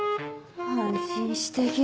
安心してけ。